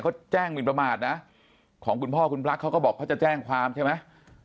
เขาแจ้งหมินประมาทนะของคุณพ่อคุณพระเขาก็บอกเขาจะแจ้งความใช่ไหม